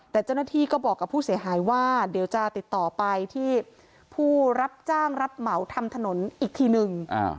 แต่เจ้าหน้าที่ก็บอกกับผู้เสียหายว่าเดี๋ยวจะติดต่อไปที่ผู้รับจ้างรับเหมาทำถนนอีกทีหนึ่ง